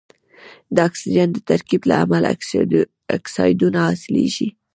د اکسیجن د ترکیب له امله اکسایدونه حاصلیږي.